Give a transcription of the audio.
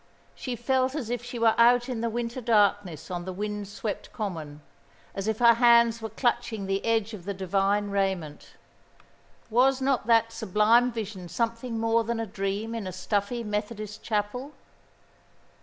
She felt as if she were out in the winter darkness on the wind swept common, as if her hands were clutching the edge of the Divine raiment. Was not that sublime vision something more than a dream in a stuffy Methodist chapel?